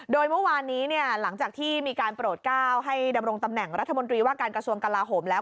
โดยเมื่อวานนี้หลังจากที่มีการโปรดก้าวให้ดำรงตำแหน่งรัฐมนตรีว่าการกระทรวงกลาโหมแล้ว